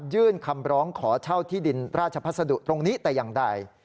ยื่นคำร้องขอเช่าที่ดินราชภัสดุตรงนี้แต่อย่างใด